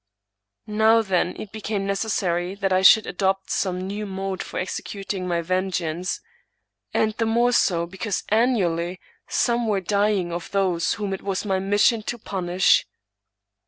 Now, then, it became necessary that I should adopt some new mode for executing my vengeance; and the more so, because annually some were dying of those whom it was my mission to punish.